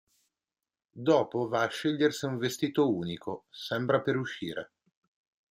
Dopo va a scegliersi un vestito unico, sembra per uscire.